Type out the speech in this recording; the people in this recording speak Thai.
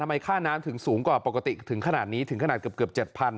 ค่าน้ำถึงสูงกว่าปกติถึงขนาดนี้ถึงขนาดเกือบ๗๐๐